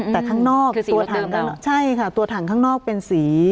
แต่ข้างนอกคือสีรถเดิมแล้วใช่ค่ะตัวถังข้างนอกเป็นสี